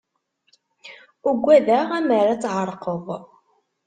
Ugadeɣ amar ad tεerqeḍ.